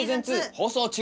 放送中。